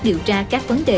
điều tra các vấn đề